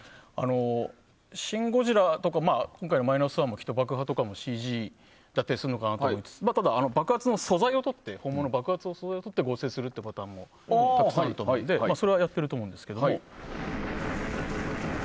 「シン・ゴジラ」とか今回の「ゴジラ−１．０」の爆破もＣＧだったりすると思うんですがただ、本物の爆発の素材を撮って合成するというパターンもたくさんあると思うのでそれはやってると思うんですが。